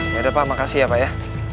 yaudah pak makasih ya pak ya